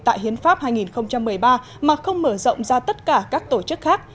tại hiến pháp hai nghìn một mươi ba mà không mở rộng ra tất cả các tổ chức khác